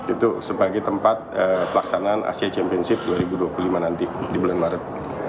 itu sebagai tempat pelaksanaan asia championship dua ribu dua puluh lima nanti di bulan maret